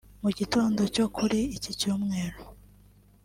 Mu gitondo cyo kuri iki Cyumweru